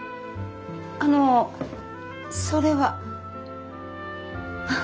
あのそれは？